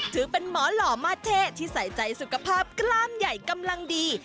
ถือเป็นหมอหล่อมาเท่ที่ใส่ใจสุขภาพกล้ามใหญ่กำลังดี